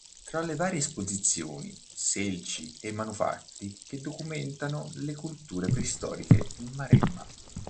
Tra le varie esposizioni, selci e manufatti che documentano le culture preistoriche in Maremma.